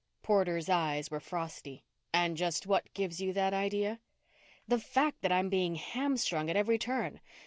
Porter's eyes were frosty. "And just what gives you that idea?" "The fact that I'm being hamstrung at every turn.